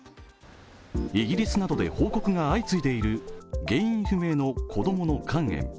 イギリスなどで報告が相次いでいる原因不明の子供の肝炎。